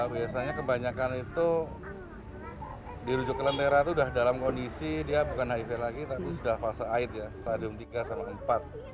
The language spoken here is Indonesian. biasanya kebanyakan itu dirujuk ke lentera itu sudah dalam kondisi dia bukan hiv lagi tapi sudah fase aid ya stadium tiga sama empat